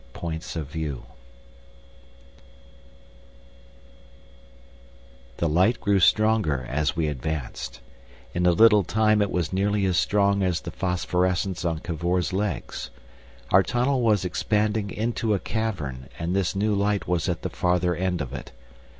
Points of View The light grew stronger as we advanced. In a little time it was nearly as strong as the phosphorescence on Cavor's legs. Our tunnel was expanding into a cavern, and this new light was at the farther end of it.